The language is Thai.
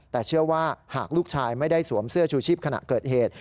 แต่เชื่อว่าหากลูกชายไม่ได้สวมเสื้อชูชีพขณะเกิดเหตุ